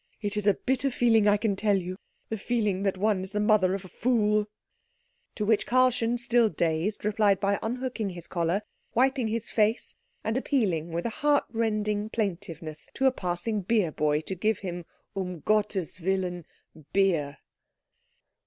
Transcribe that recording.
It is a bitter feeling, I can tell you, the feeling that one is the mother of a fool." To which Karlchen, still dazed, replied by unhooking his collar, wiping his face, and appealing with a heart rending plaintiveness to a passing beer boy to give him, um Gottes Willen, beer.